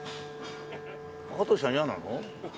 羽鳥さん嫌なの？